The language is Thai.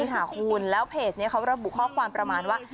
คุณแล้วเพจนี้เขาระบุข้อความประมาณว่า